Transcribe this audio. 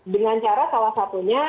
dengan cara salah satunya